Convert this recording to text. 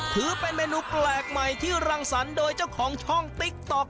ถือเป็นเมนูแปลกใหม่ที่รังสรรค์โดยเจ้าของช่องติ๊กต๊อก